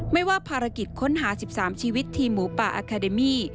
ไม่ว่าภารกิจค้นหา๑๓ชีวิตทีมหมูป่าอาคาเดมี่